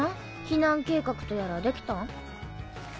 避難計画とやらはできたん？